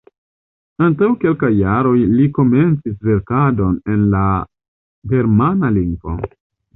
Antaŭ kelkaj jaroj li komencis verkadon en la germana lingvo.